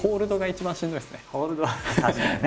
ホールドは確かにね。